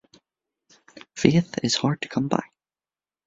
Faith is hard to come by.